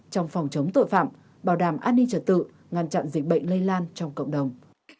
trong phòng chống tội phạm bảo đảm an ninh trật tự ngăn chặn dịch bệnh lây lan trong cộng đồng